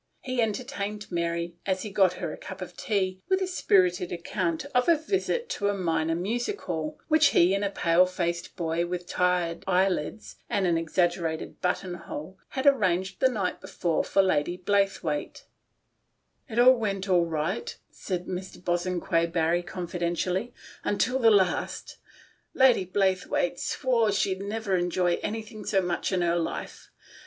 He entertained Mary, as he got her a cup of tea, with a spirited account of a visit to a minor music hall, which he and the pale faced A KETTLEDRUM AT LADY JANE* 8, 103 « boy had aiTanged the night before for Lady Blaythewaite. " It all went all right," said Mr. Bosanquet Barry confidentially, "until the last. Lady Blaythewaite swore she'd never enjoyed any thing so much in her life.